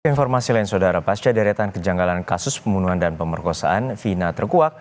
informasi lain saudara pasca deretan kejanggalan kasus pembunuhan dan pemerkosaan vina terkuak